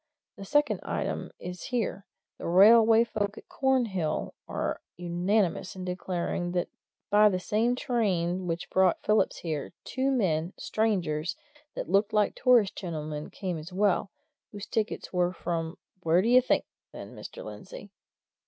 The second item is here the railway folk at Cornhill are unanimous in declaring that by that same train which brought Phillips there, two men, strangers, that looked like tourist gentlemen, came as well, whose tickets were from where d'ye think, then, Mr. Lindsey?"